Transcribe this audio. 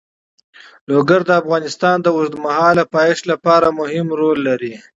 لوگر د افغانستان د اوږدمهاله پایښت لپاره مهم رول لري.